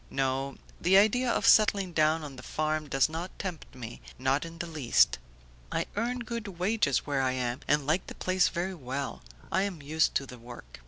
"No, the idea of settling down on the farm does not tempt me, not in theleast. I earn good wages where I am and like the place very well; I am used to the work."